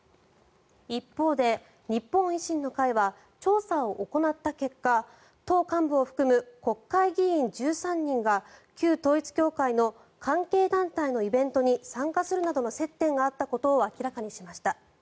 一方で、日本維新の会は調査を行った結果党幹部を含む国会議員１３人が旧統一教会の関係団体のイベントに参加するなどの接点があったことを明らかにしました。